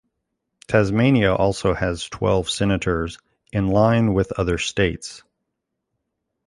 Tasmania also has twelve Senators in line with other states.